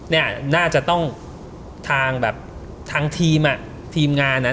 เนี่ยน่าจะต้องทางแบบทางทีมอ่ะทีมงานอ่ะ